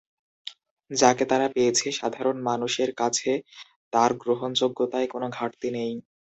যাঁকে তারা পেয়েছে, সাধারণ মানুষের কাছে তাঁর গ্রহণযোগ্যতায় কোনো ঘাটতি নেই।